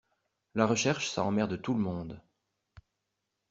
la recherche ça emmerde tout le monde.